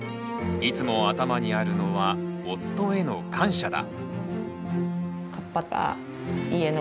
いつも頭にあるのは夫への感謝だ。